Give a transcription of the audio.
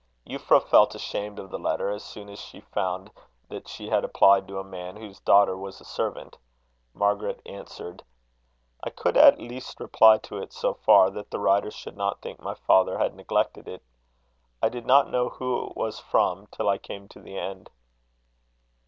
Euphra felt ashamed of the letter as soon as she found that she had applied to a man whose daughter was a servant. Margaret answered: "I could at least reply to it so far, that the writer should not think my father had neglected it. I did not know who it was from till I came to the end."